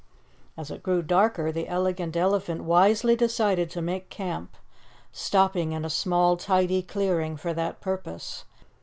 As it grew darker the Elegant Elephant wisely decided to make camp, stopping in a small, tidy clearing for that purpose.